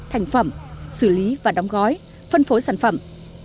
thành phẩm xử lý và đóng gói phân phối sản phẩm